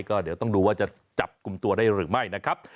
ก็เดี๋ยวต้องดูว่าจะจับกลุ่มตัวได้หรือไม่นะครับ